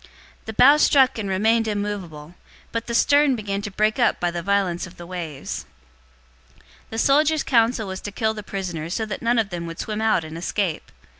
The bow struck and remained immovable, but the stern began to break up by the violence of the waves. 027:042 The soldiers' counsel was to kill the prisoners, so that none of them would swim out and escape.